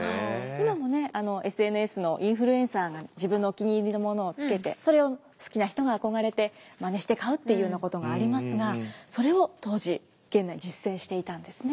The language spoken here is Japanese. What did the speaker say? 今もねＳＮＳのインフルエンサーが自分のお気に入りのものをつけてそれを好きな人が憧れてまねして買うっていうようなことがありますがそれを当時源内実践していたんですね。